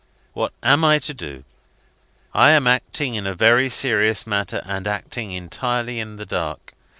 What am I to do? I am acting in a very serious matter, and acting entirely in the dark.